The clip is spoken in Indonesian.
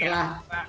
kalau bicara soal